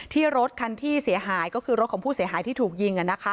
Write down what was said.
รถคันที่เสียหายก็คือรถของผู้เสียหายที่ถูกยิง